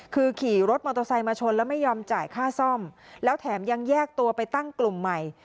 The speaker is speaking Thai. คือขี่รถมอเตอร์ไซค์มาชนแล้วไม่ยอมจ่ายค่าซ่อมแล้วแถมยังแยกตัวไปตั้งกลุ่มใหม่